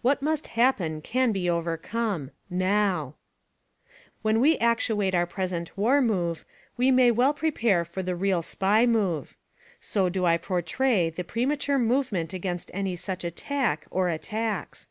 What must happen can be overcome — NOW ! When we actuate our present war move we may well prepare for the real SPY miove. So do I portray the premature movement against any such attack, or attacks.